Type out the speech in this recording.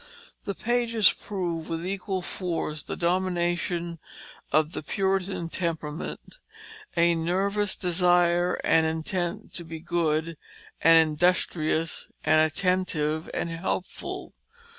The pages prove with equal force the domination of the Puritan temperament, a nervous desire and intent to be good, and industrious, and attentive, and helpful.